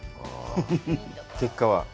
結果は？